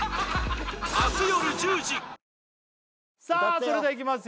それではいきますよ